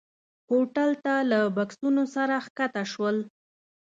هوټل ته له بکسونو سره ښکته شول.